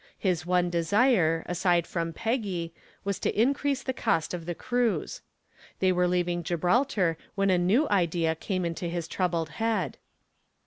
His one desire, aside from Peggy, was to increase the cost of the cruise. They were leaving Gibraltar when a new idea came into his troubled head.